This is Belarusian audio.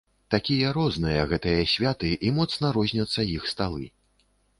Такія розныя гэтыя святы, і моцна розняцца іх сталы.